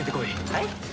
はい！？